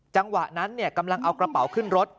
จังหวะนั้นกำลังเอากระเป๋าขึ้นรถ